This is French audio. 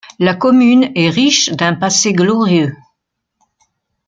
La commune est riche d'un passé glorieux.